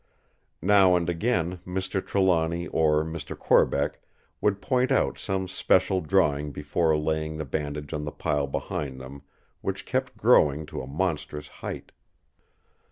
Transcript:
Now and again Mr. Trelawny or Mr. Corbeck would point out some special drawing before laying the bandage on the pile behind them, which kept growing to a monstrous height.